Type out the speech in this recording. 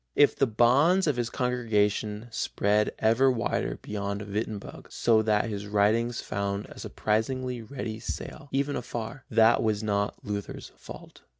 If the bounds of his congregation spread ever wider beyond Wittenberg, so that his writings found a surprisingly ready sale, even afar, that was not Luther's fault.